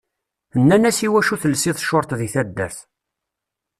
Nnan-as iwacu telsiḍ short deg taddart.